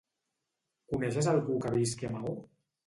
Coneixes algú que visqui a Maó?